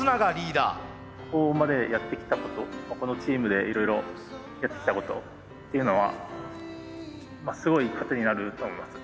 ここまでやってきたことこのチームでいろいろやってきたことっていうのはすごい糧になると思います。